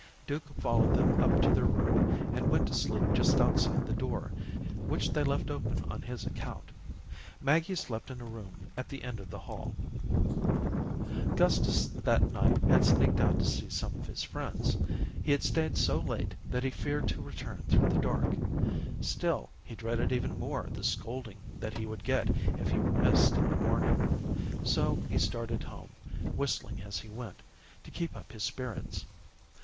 Duke followed them up to their room, and went to sleep just outside the door, which they left open on his account. Maggie slept in a room at the end of the hall. Gustus that night had sneaked out to see some of his friends. He had stayed so late that he feared to return through the dark. Still he dreaded even more the scolding that he would get if he were missed in the morning. So he started home, whistling as he went, to keep up his spirits.